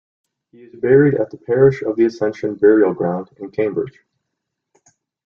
He is buried at the Parish of the Ascension Burial Ground in Cambridge.